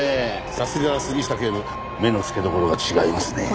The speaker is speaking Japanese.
さすがは杉下警部目の付けどころが違いますね。